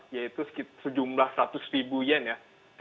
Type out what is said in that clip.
yaitu sejumlah seratus ribu yen ya